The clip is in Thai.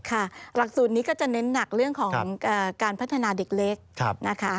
หลักสูตรนี้ก็จะเน้นหนักเรื่องของการพัฒนาเด็กเล็กนะคะ